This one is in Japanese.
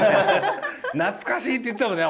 懐かしいって言ってたもんね